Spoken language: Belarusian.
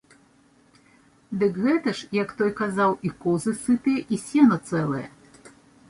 Дык гэта ж, як той казаў, і козы сытыя, і сена цэлае.